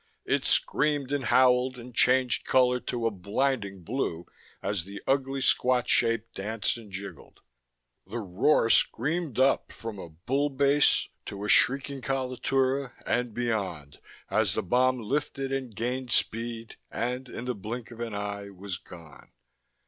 It screamed and howled and changed color to a blinding blue as the ugly squat shape danced and jiggled. The roar screamed up from a bull bass to a shrieking coloratura and beyond as the bomb lifted and gained speed and, in the blink of an eye, was gone.